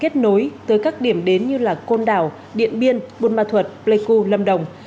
kết nối tới các điểm đến như là côn đảo điện biên bùn ma thuật pleiku lâm đồng